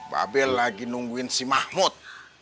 babel lagi nungguin si mahmud